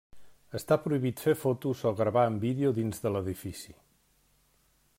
Està prohibit fer fotos o gravar en vídeo dins de l'edifici.